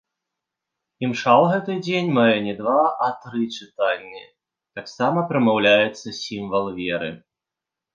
Імша ў гэты дзень мае не два, а тры чытанні, таксама прамаўляецца сімвал веры.